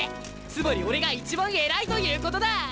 つまり俺が一番偉いということだ！